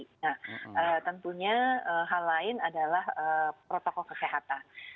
nah tentunya hal lain adalah protokol kesehatan